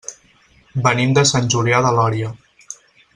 Venim de Sant Julià de Lòria.